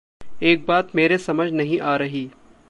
एक बात मेरे समझ नहीं आ रही।